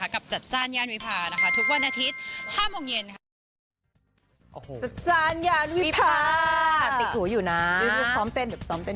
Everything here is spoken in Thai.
กับจัดจ้านย่านวิพาทุกวันอาทิตย์๕โมงเย็น